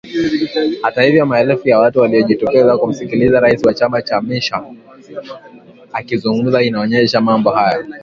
Hata hivyo maelfu ya watu waliojitokeza kumsikiliza rais wa chama Chamisa akizungumza inaonyesha mambo haya.